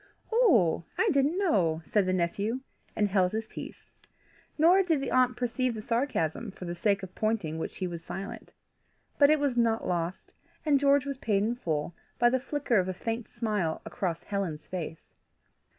"Oh! I didn't know," said the nephew, and held his peace. Nor did the aunt perceive the sarcasm for the sake of pointing which he was silent. But it was not lost, and George was paid in full by the flicker of a faint smile across Helen's face.